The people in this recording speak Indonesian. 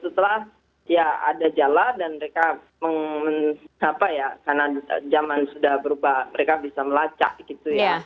setelah ya ada jala dan mereka mengapa ya karena zaman sudah berubah mereka bisa melacak gitu ya